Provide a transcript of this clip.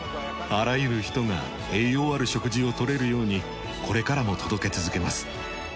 あらゆる人が栄養ある食事を取れるようにこれからも届け続けます。